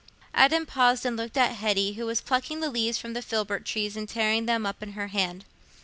Adam paused and looked at Hetty, who was plucking the leaves from the filbert trees and tearing them up in her hand.